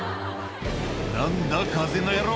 「何だ風の野郎